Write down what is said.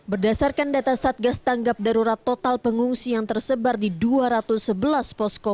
berdasarkan data satgas tanggap darurat total pengungsi yang tersebar di dua ratus sebelas posko